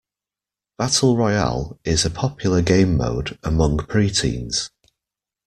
Battle Royale is a popular gamemode among preteens.